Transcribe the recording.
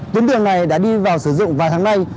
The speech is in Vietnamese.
tuyến đường này đã đi vào sử dụng vài tháng nay